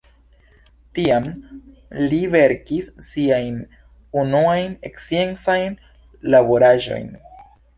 Tiam li verkis siajn unuajn sciencajn laboraĵojn.